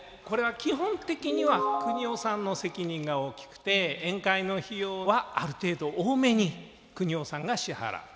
これは基本的にはくにおさんの責任が大きくて宴会の費用はある程度多めにくにおさんが支払う。